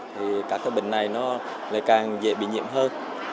thì các cái bệnh này nó lại càng dễ bị nhiễm hơn